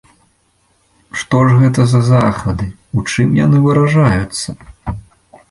Што ж гэта за захады, у чым яны выражаюцца?